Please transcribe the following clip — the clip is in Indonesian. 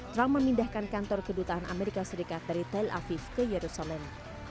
trump memindahkan kantor kedutaan amerika serikat dari tel aviv ke yerusalem